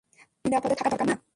তাদের নিরাপদে থাকা দরকার না?